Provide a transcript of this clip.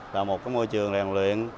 là một môi trường rèn luyện